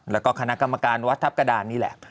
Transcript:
แล้วก็คณะกรรมการวัดทัพกระดานนี่แหละ